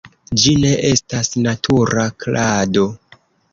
Ĝi ne estas natura klado.